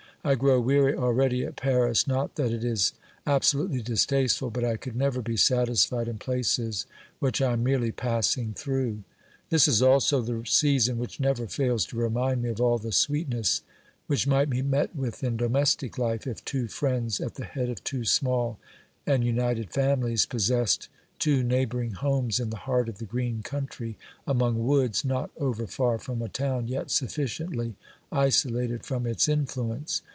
I grow weary already at Paris, not that it is absolutely distasteful, but I could never be satisfied in places which I am merely passing through. This is also the season which never fails to remind me of all the sweet ness which might be met with in domestic life, if two friends, at the head of two small and united families, possessed two neighbouring homes in the heart of the green country, among woods, not over far from a town, yet sufficiently isolated from its influence.